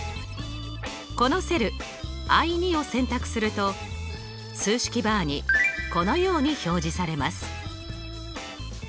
このセルＩ２を選択すると数式バーにこのように表示されます。